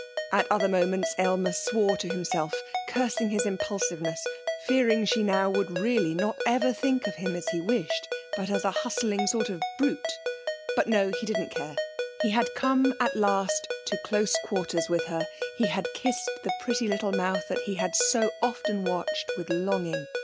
At other moments Aylmer swore to himself, cursing his impulsiveness, fearing she now would really not ever think of him as he wished, but as a hustling sort of brute. But no he didn't care. He had come at last to close quarters with her. He had kissed the pretty little mouth that he had so often watched with longing.